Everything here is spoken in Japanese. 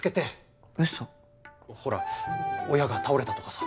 ほら親が倒れたとかさ。